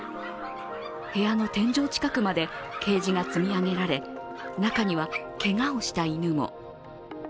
部屋の天井近くまでケージが積み上げられ、中にはけがをした犬も。